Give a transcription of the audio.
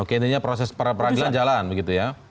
oke intinya proses peradilan jalan begitu ya